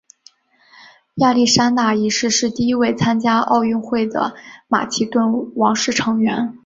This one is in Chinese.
亚历山大一世是第一位参加奥运会的马其顿王室成员。